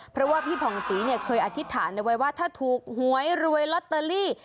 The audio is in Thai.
เพราะว่าพี่ผ่องศรีเนี่ยเคยอธิษฐานเอาไว้ว่าถ้าถูกหวยรวยลอตเตอรี่